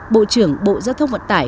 bộ trưởng bộ dư thông vận tải